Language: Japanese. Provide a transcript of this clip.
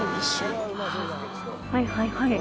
ああはいはいはい。